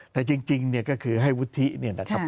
แต่จริงเนี่ยก็คือให้วุฒิเนี่ยนะครับ